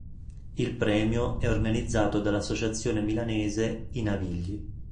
Il premio è organizzato dall'associazione milanese "I Navigli".